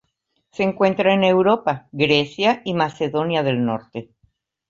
Se encuentra en Europa: Grecia y Macedonia del Norte.